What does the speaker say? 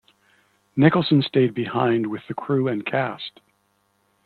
Nicholson stayed behind with the crew and cast.